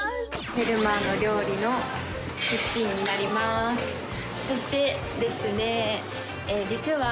「フェルマーの料理」のキッチンになりますそしてですね